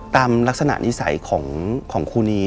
ตามลักษณะนิสัยของครูนี